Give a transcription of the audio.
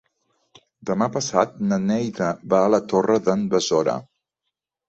Demà passat na Neida va a la Torre d'en Besora.